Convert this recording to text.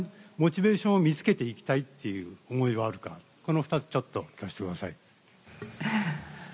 モチベーションを見つけていきたいという思いはあるかこの２つちょっと聞かせてください。